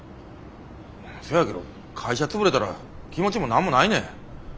せやけど会社潰れたら気持ちも何もないねん。